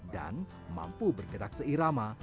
dan mampu bergerak seirama